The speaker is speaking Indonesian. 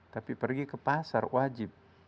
tapi pergi ke pasar wajib